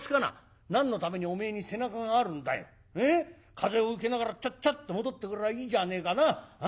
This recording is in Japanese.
風を受けながらチャッチャッと戻ってくりゃいいじゃねえかな。